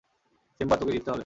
Simba, তোকে জিততে হবে!